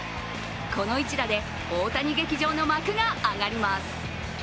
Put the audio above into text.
この一打で大谷劇場の幕が上がります。